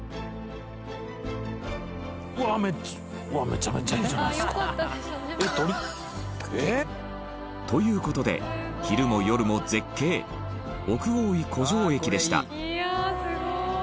めちゃめちゃいいじゃないですか！という事で、昼も夜も絶景奥大井湖上駅でした本仮屋：すごい！